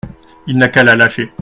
Il n’a qu’à la lâcher.